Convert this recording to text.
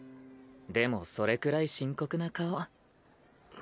でもそれくらい深刻な顔。